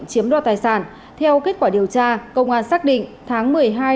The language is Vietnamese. chiếm đoạt tài sản theo kết quả điều tra công an xác định tháng một mươi hai hai nghìn hai mươi một